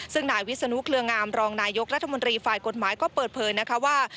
ซึ่งนายวิศนุเครืองามรองนายกรัฐมนตรีฝ่ายกฎหมายก็เปิดเผยนะคะว่า